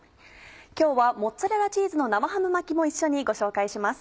今日はモッツァレラチーズの生ハム巻きも一緒にご紹介します。